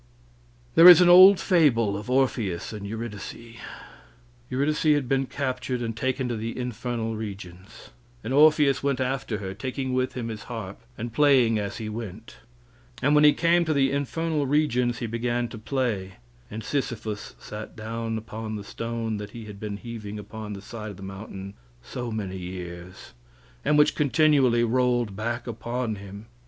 There is an old fable of Orpheus and Eurydice: Eurydice had been captured and taken to the infernal regions, and Orpheus went after her, taking with him his harp and playing as he went; and when he came to the infernal regions he began to play, and Sysiphus sat down upon the stone that he had been heaving up the side of the mountain so many years, and which continually rolled back upon him.